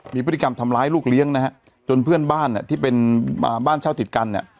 มีพฤติกรรมทำร้ายลูกเลี้ยงนะฮะจนเพื่อนบ้านเนี่ยที่เป็นบ้านเช่าติดกันเนี่ย